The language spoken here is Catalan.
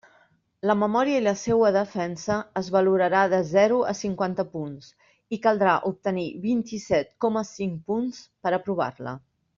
La memòria i la seua defensa es valorarà de zero a cinquanta punts, i caldrà obtenir vint-i-set coma cinc punts per a aprovar-la.